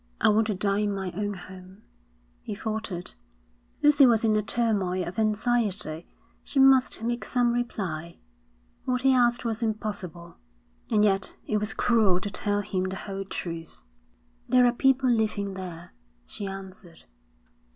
'I want to die in my own home,' he faltered. Lucy was in a turmoil of anxiety. She must make some reply. What he asked was impossible, and yet it was cruel to tell him the whole truth. 'There are people living there,' she answered.